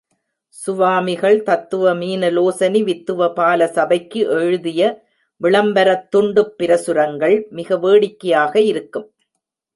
சுவாமிகள் தத்துவ மீனலோசனி வித்துவ பால சபைக்கு எழுதிய விளம்பரத் துண்டுப் பிரசுரங்கள் மிக வேடிக்கையாக இருக்கும்.